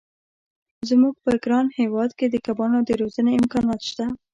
زموږ په ګران هېواد کې د کبانو د روزنې امکانات شته.